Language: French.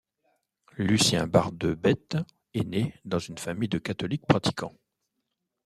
Lucien Barbedette est né dans une famille de catholiques pratiquants.